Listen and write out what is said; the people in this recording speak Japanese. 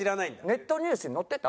ネットニュースに載ってた？